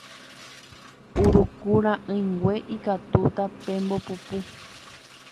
Uruku ra'ỹingue ikatúta pembopupu